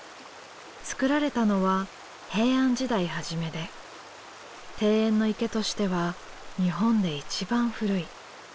造られたのは平安時代初めで庭園の池としては日本で一番古い。